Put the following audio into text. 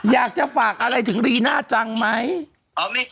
อยากจะฝากอะไรถึงรีน่าจังไหม